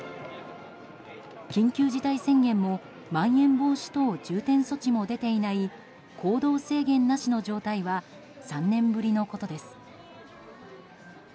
緊急事態宣言もまん延防止等重点措置も出ていない行動制限なしの状態は３年ぶりのことです。